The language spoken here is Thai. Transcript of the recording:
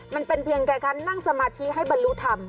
มันเป็นเพียงแก่คั้นนั่งสมาธิให้บรรลุทำ